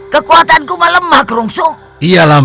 kekuatanmu belum terjawab